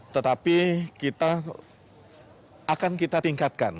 tetapi kita akan kita tingkatkan